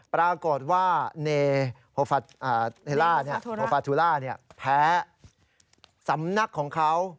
ปรากฏว่าเนเทล่าโฮฟาทูล่าแพ้สำนักของเขา